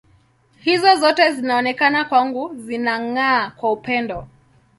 Hizo zote zinaonekana kwangu zinang’aa kwa upendo.